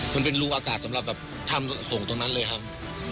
มันเป็นรูอากาศสำหรับแบบทำส่งตรงนั้นเลยครับ